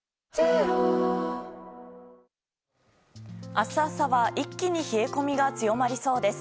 明日朝は一気に冷え込みが強まりそうです。